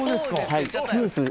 はい。